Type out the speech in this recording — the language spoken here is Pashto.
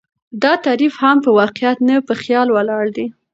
دا تعريف هم په واقعيت نه، په خيال ولاړ دى